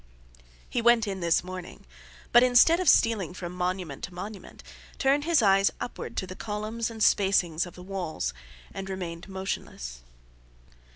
He went in this morning, but, instead of stealing from monument to monument, turned his eyes upwards to the columns and spacings of the walls, and remained motionless.